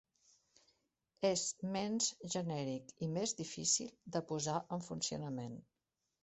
És menys genèric i més difícil de posar en funcionament.